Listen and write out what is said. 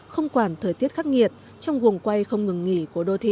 không quản thời tiết khắc nghiệt trong quần quay không ngừng nghỉ của đô thị